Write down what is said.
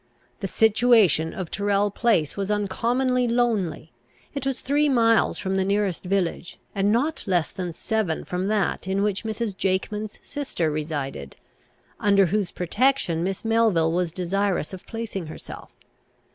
The situation of Tyrrel Place was uncommonly lonely; it was three miles from the nearest village, and not less than seven from that in which Mrs. Jakeman's sister resided, under whose protection Miss Melville was desirous of placing herself.